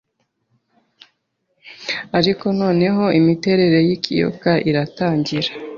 Ariko noneho imiterere yikiyoka iratangira